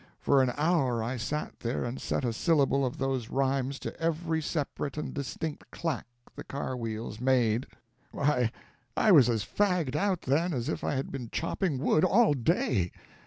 For an hour I sat there and set a syllable of those rhymes to every separate and distinct clack the car wheels made. Why, I was as fagged out, then, as if I had been chopping wood all day.